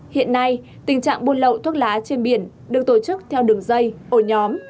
hiện nay tình trạng buôn lậu thuốc lá trên biển được tổ chức theo đường dây ổ nhóm